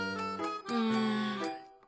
うん。